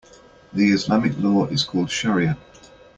The Islamic law is called shariah.